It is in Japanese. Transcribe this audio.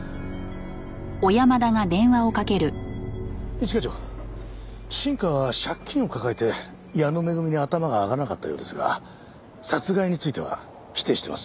一課長新川は借金を抱えて矢野恵に頭が上がらなかったようですが殺害については否定してます。